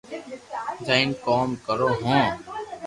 جائين ڪوم ڪرو ھون